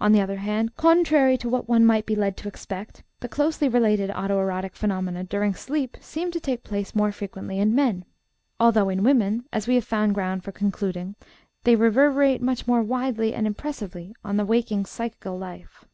On the other hand, contrary to what one might be led to expect, the closely related auto erotic phenomena during sleep seem to take place more frequently in men, although in women, as we have found ground for concluding, they reverberate much more widely and impressively on the waking psychical life.